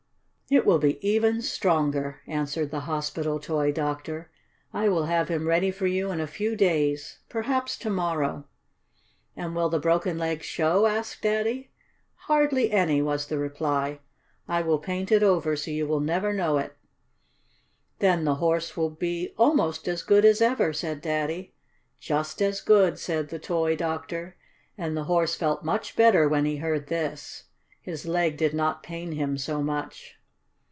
"It will be even stronger," answered the hospital toy doctor. "I will have him ready for you in a few days; perhaps tomorrow." "And will the broken leg show?" asked Daddy. "Hardly any," was the reply. "I will paint it over so you will never know it." "Then the Horse will be almost as good as ever," said Daddy. "Just as good," said the toy doctor, and the Horse felt much better when he heard this. His leg did not pain him so much.